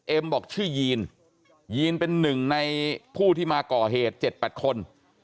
บอกชื่อยีนยีนเป็นหนึ่งในผู้ที่มาก่อเหตุ๗๘คน